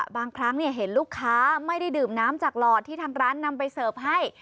บางครั้งเห็นลูกค้าไม่ได้ดื่มน้ำจากหลอดที่ทางร้านนำไปเสิร์ฟให้